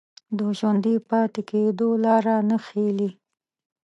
د ژوندي پاتې کېدو لاره نه ښييلې